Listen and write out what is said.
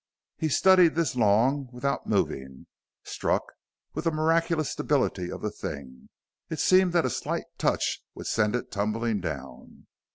He studied this long without moving, struck with the miraculous stability of the thing; it seemed that a slight touch would send it tumbling down.